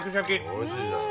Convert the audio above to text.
おいしいじゃん。